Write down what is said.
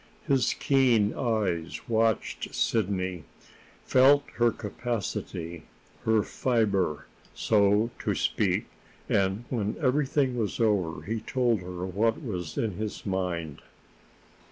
His keen eyes watched Sidney felt her capacity, her fiber, so to speak; and, when everything was over, he told her what was in his mind.